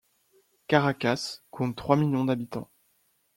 Caracas compte trois millions d'habitants.